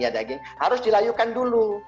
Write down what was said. daging harus dilayukan dulu